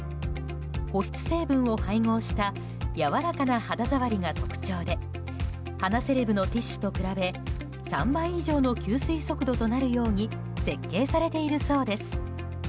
保湿成分を配合したやわらかな肌触りが特徴で鼻セレブのティッシュと比べ３倍以上の吸水速度となるように設計されているそうです。